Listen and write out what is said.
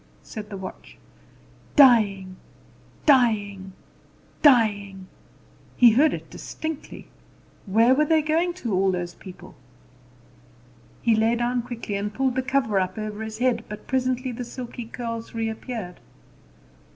said the watch; "dying, dying, dying!" He heard it distinctly. Where were they going to, all those people? He lay down quickly, and pulled the cover up over his head: but presently the silky curls reappeared.